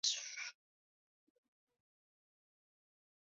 This time setting ablaze and destroying a car belonging to a researcher.